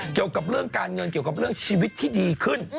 เกี่ยวกับเรื่องการเงินเกี่ยวกับเรื่องชีวิตที่ดีขึ้น